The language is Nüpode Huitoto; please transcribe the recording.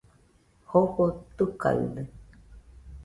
Jofo tɨkaɨde